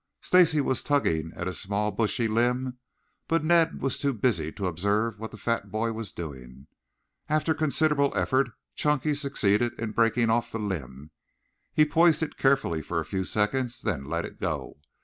Stacy was tugging at a small bushy limb, but Ned was too busy to observe what the fat boy was doing. After considerable effort Chunky succeeded in breaking off the limb. He poised it carefully for a few seconds, then let go.